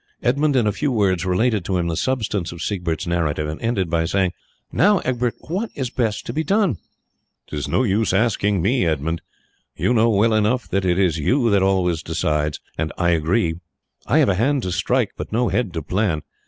Edmund in a few words related to him the substance of Siegbert's narrative, and ended by saying: "Now, Egbert, what is best to be done?" "'Tis of no use asking me, Edmund; you know well enough that it is you that always decide and I agree. I have a hand to strike, but no head to plan.